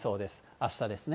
あしたですね。